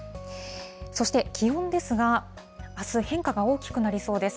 そして気温ですが、あす変化が大きくなりそうです。